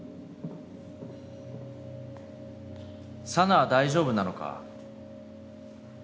紗奈は大丈夫なのか？